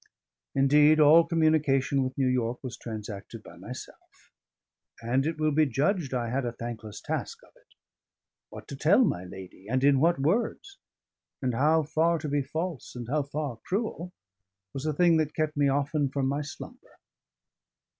Indeed, all communication with New York was transacted by myself; and it will be judged I had a thankless task of it. What to tell my lady, and in what words, and how far to be false and how far cruel, was a thing that kept me often from my slumber.